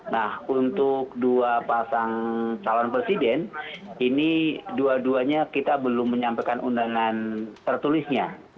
nah untuk dua pasang calon presiden ini dua duanya kita belum menyampaikan undangan tertulisnya